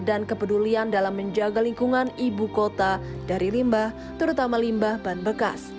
dan kepedulian dalam menjaga lingkungan ibu kota dari limbah terutama limbah bahan bekas